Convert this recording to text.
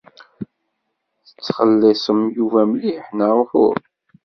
Tettxelliṣem Yuba mliḥ, neɣ uhu?